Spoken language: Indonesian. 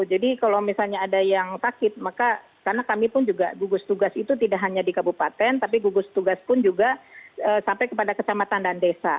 jadi kalau misalnya ada yang sakit maka karena kami pun juga gugus tugas itu tidak hanya di kabupaten tapi gugus tugas pun juga sampai kepada kecamatan dan desa